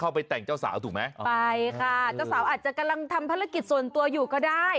วิกฤตส่วนตัวอยู่ก็ได้